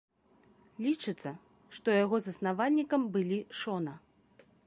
Лічыцца, што яго заснавальнікамі былі шона.